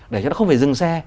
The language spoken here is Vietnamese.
để cho nó không phải dừng xe